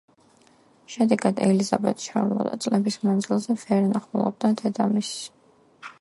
შედეგად, ელიზაბეტ შარლოტა წლების მანძილზე ვერ ნახულობდა დედამისს.